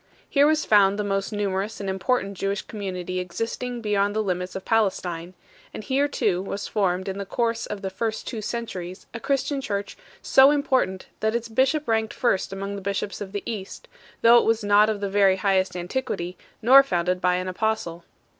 Here was found the most numerous and important Jewish com munity existing beyond the limits of Palestine ; and here too was formed in the course of the first two centuries a Christian church so important that its bishop ranked first among the bishops of the East, though it was not of the very highest antiquity, nor founded by an Apostle.